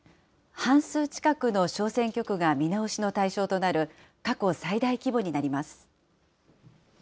半数近くの小選挙区が見直しの対象となる過去最大規模になります。